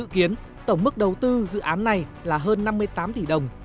kiến tổng mức đầu tư dự án này là hơn năm mươi tám tỷ đồng